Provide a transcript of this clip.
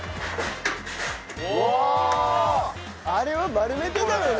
あれを丸めてたのね！